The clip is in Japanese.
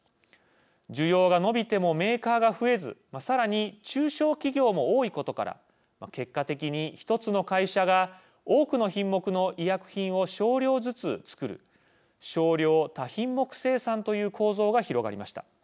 需要が伸びてもメーカーが増えずさらに中小企業も多いことから結果的に、１つの会社が多くの品目の医薬品を少量ずつ作る少量多品目生産という構造が広がりました。